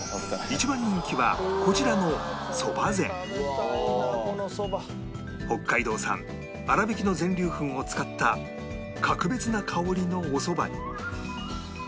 一番人気はこちらの北海道産粗びきの全粒粉を使った格別な香りのお蕎麦に